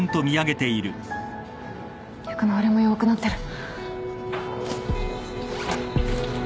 脈の触れも弱くなってる。